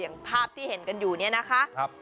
อย่างภาพที่เห็นกันอยู่เนี่ยนะคะ